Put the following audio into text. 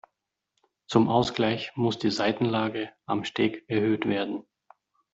Zum Ausgleich muss die Saitenlage am Steg erhöht werden.